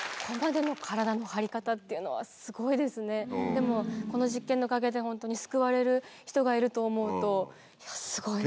でもこの実験のおかげでホントに救われる人がいると思うとすごいなと。